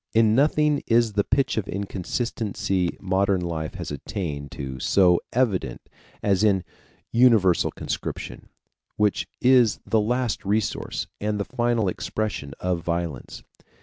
In nothing is the pitch of inconsistency modern life has attained to so evident as in universal conscription, which is the last resource and the final expression of violence.